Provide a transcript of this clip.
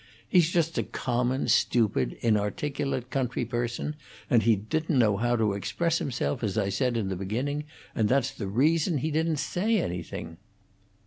He's just a common, stupid, inarticulate country person, and he didn't know how to express himself, as I said in the beginning, and that's the reason he didn't say anything."